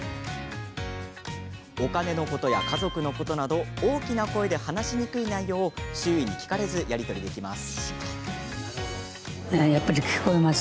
お金のことや家族のことなど大きな声で話しにくい内容を周囲に聞かれずやり取りできます。